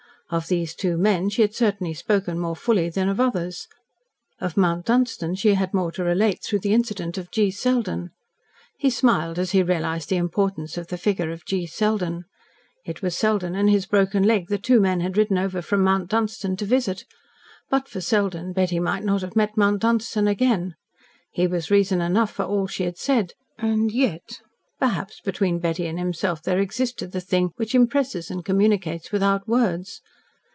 Of these two men she had certainly spoken more fully than of others. Of Mount Dunstan she had had more to relate through the incident of G. Selden. He smiled as he realised the importance of the figure of G. Selden. It was Selden and his broken leg the two men had ridden over from Mount Dunstan to visit. But for Selden, Betty might not have met Mount Dunstan again. He was reason enough for all she had said. And yet ! Perhaps, between Betty and himself there existed the thing which impresses and communicates without words.